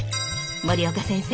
森岡先生